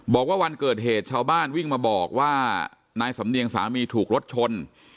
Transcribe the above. บอกว่าวันเกิดเหตุชาวบ้านวิ่งมาบอกว่านายสำเนียงสามีถูกรถชน